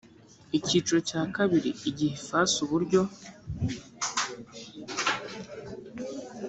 icyiciro cya kabiri igihe ifasi uburyo